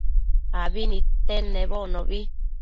abi nidtenedbocnobi